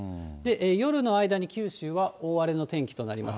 夜の間に九州は大荒れの天気となります。